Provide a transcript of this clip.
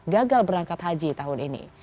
gagal berangkat haji tahun ini